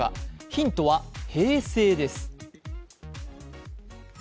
ヒントは平成です。